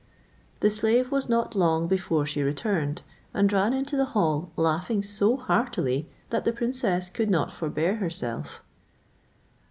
The slave was not long before she returned, and ran into the hall, laughing so heartily, that the princess could not forbear herself.